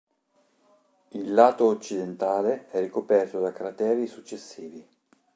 Il lato occidentale è ricoperto da crateri successivi.